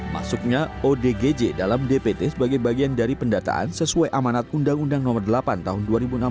masuknya odgj dalam dpt sebagai bagian dari pendataan sesuai amanat undang undang nomor delapan tahun dua ribu enam belas